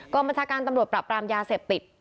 บัญชาการตำรวจปรับปรามยาเสพติด